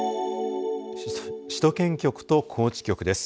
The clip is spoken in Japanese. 首都圏局と高知局です。